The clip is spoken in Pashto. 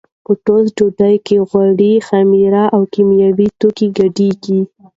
په ټوسټ ډوډۍ کې غوړي، خمیر او کیمیاوي توکي ګډېږي.